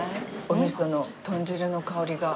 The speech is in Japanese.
おみその豚汁の香りが。